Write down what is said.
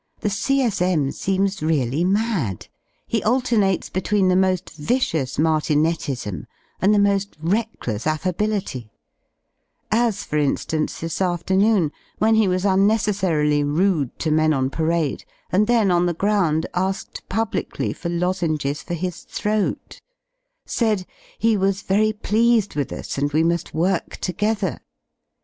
The C.S.M. seems really mad; he alternates f^ between the mo^ vicious martinetism and the mo^ reckless affability; as, for in^ance, this afternoon, when he was unnecessarily rude to men on parade, and then on the ground asked publicly for lozenges for his throat, said He was very pleased with us and we mufl zvork together.